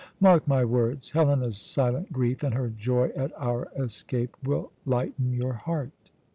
Mark my words! Helena's silent grief and her joy at our escape will lighten your heart."